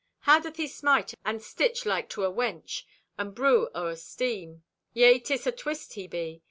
How doth he smite and stitch like to a wench, and brew o'er steam! Yea, 'tis atwist he be.